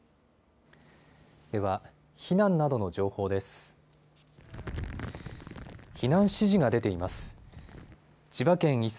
では避難などの情報です。